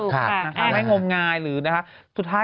ทำให้งงงาย